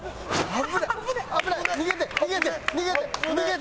危ない！